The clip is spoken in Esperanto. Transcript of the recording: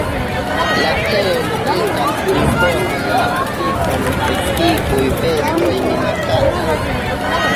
La celo estas informi la publikon pri tiuj bestoj minacataj.